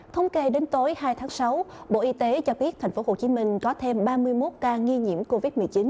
thông kê đến tối hai tháng sáu bộ y tế cho biết thành phố hồ chí minh có thêm ba mươi một ca nghi nhiễm covid một mươi chín